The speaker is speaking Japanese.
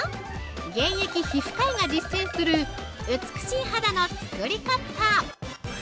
現役皮膚科医が実践する美しい肌の作り方。